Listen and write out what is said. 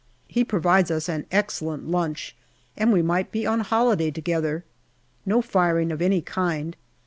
He provides us an excellent lunch, and we might be on holiday together. No firing of any kind.